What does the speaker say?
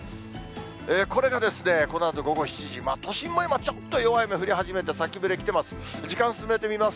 これがですね、このあと午後７時、都心も今、ちょっと弱い雨、降り始めて、先触れ来ています。